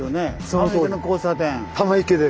溜池の交差点。